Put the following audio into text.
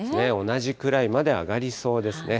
同じくらいまで上がりそうですね。